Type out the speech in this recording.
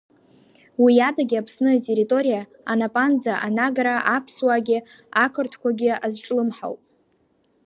Уи адагьы, Аԥсны атерриториа Анапанӡа анагара аԥсуаагьы ақырҭқәагьы азҿлымҳауп.